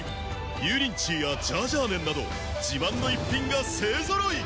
油淋鶏やジャージャー麺など自慢の逸品が勢揃い！